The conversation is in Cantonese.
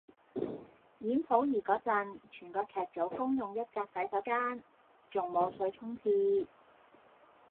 演溥儀個陣，全個劇組公用一格洗手間，仲冇水沖廁